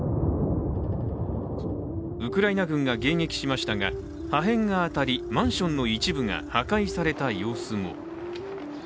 ウクライナ軍が迎撃しましたが破片が当たりマンションの一部が破壊された様子も。